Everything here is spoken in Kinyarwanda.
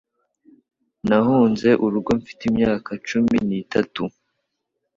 Nahunze urugo mfite imyaka cumi n'itatu